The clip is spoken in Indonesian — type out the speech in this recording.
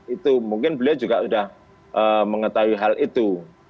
itu mungkin beliau juga sudah mengetahui hal itu